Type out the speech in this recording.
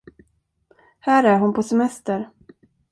Här är hon på semester.